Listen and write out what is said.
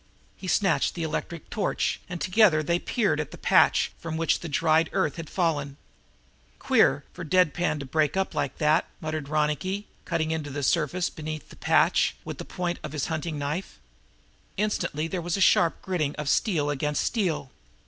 He snatched the electric torch, and together they peered at the patch from which the dried earth had fallen. "Queer for hardpan to break up like that," muttered Ronicky, cutting into the surface beneath the patch, with the point of his hunting knife. Instantly there was the sharp gritting of steel against steel.